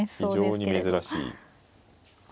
非常に珍しい。